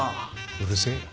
うるせえ